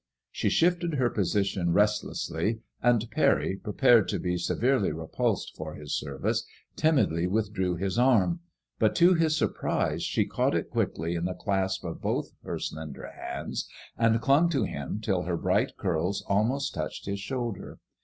'' She shifted her position rest lessly, and Parry, prepared to be severely repulsed for his service, timidly withdrew his arm; but to his surprise she caught it quickly in the clasp of both her slender hands and clung to him till her bright curls almost touched his shoulder.